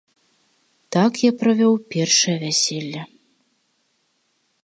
Так я правёў першае вяселле.